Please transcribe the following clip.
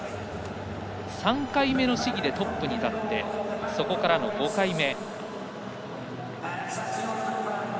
３回目の試技でトップに立ってそこからの５回目。